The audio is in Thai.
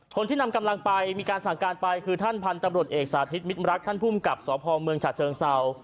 คนที่นำกำลังไปมีการสั่งการไปคือท่านพันธุ์ตำรวจเอกสาธิตมิตรรักท่านภูมิกับสพเมืองฉะเชิงเศร้า